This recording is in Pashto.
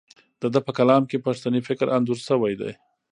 د ده په کلام کې پښتني فکر انځور شوی دی.